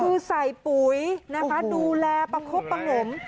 คือใส่ปุ๋ยนะคะดูแลประคบประงม